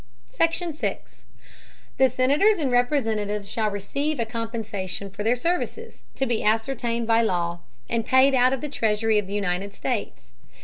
SECTION. 6. The Senators and Representatives shall receive a Compensation for their Services, to be ascertained by Law, and paid out of the Treasury of the United States.